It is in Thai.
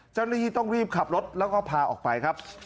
เจ้าหน้าที่ต้องรีบขับรถแล้วก็พาออกไปครับ